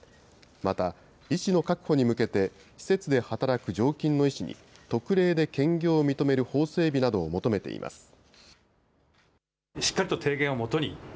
また、医師の確保に向けて、施設で働く常勤の医師に、特例で兼業を認める法整備などを求めています。